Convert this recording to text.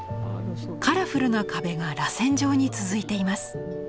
カラフルな壁がらせん状に続いています。